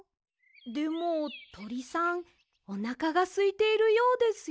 でもとりさんおなかがすいているようですよ。